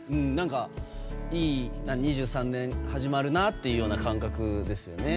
いい２３年が始まるなっていう感覚ですよね。